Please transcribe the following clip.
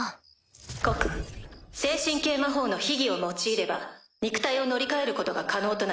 告精神系魔法の秘儀を用いれば肉体を乗り換えることが可能となります。